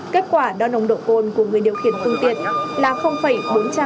kết quả đo nồng độ cồn của người điều khiển phương tiện là bốn trăm ba mươi bốn mg trên một lít khí thở